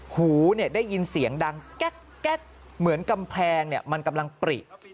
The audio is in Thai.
หูได้ยินเสียงดังแก๊กเหมือนกำแพงมันกำลังปริ